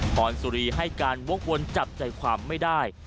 พรสุรีให้การวกวนจับใจความไม่ได้